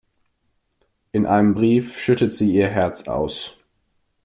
In einem Brief schüttet sie ihr Herz aus.